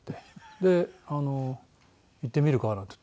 で「行ってみるか？」なんて言ったら。